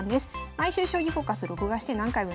毎週『将棋フォーカス』録画して何回も見ます。